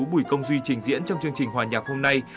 bùi công duy trình diễn trong chương trình hòa nhạc hôm nay